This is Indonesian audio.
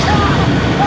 saya mampu tuhan